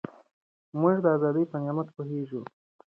موږ د ازادۍ په نعمت پوهېږو.